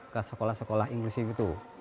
ke sekolah sekolah inklusif itu